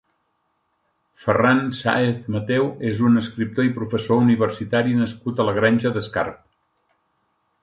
Ferran Sáez Mateu és un escriptor i professor universitari nascut a la Granja d'Escarp.